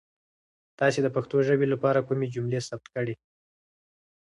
تاسو د پښتو ژبې لپاره کومې جملې ثبت کړي؟